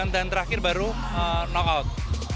dan terakhir baru knockout